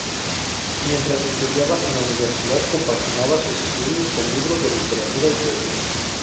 Mientras estudiaba en la Universidad, compaginaba sus estudios con libros de literatura y poesía.